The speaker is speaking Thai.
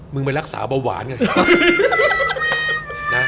มึงไปรักษาเบาหวานก่อน